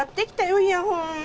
イヤホン